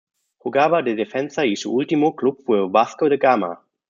Jugaba de defensa y su último club fue Vasco Da Gama.